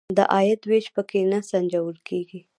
د عاید وېش په کې نه سنجول کیږي.